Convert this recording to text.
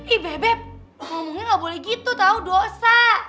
ih bebep ngomongnya gak boleh gitu tau dosa